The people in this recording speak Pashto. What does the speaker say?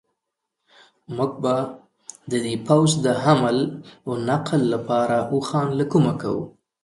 موږ به د دې پوځ د حمل و نقل لپاره اوښان له کومه کوو.